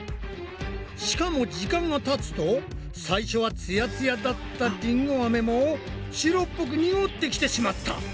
しかも時間がたつと最初はつやつやだったりんごアメも白っぽく濁ってきてしまった！